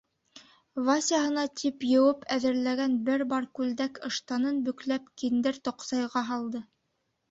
Васяһына тип йыуып әҙерләгән бер пар күлдәк-ыштанын бөкләп киндер тоҡсайға һалды.